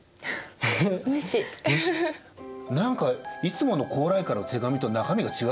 何かいつもの高麗からの手紙と中身が違うぞと。